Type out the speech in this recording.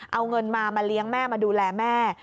เอาเงินมามาเลี้ยงแม่มาดูแลแม่